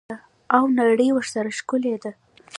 او نړۍ ورسره ښکلې ده.